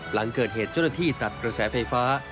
หลังเกิดเหตุเจ้าหน้าที่ตัดกระแสไฟฟ้า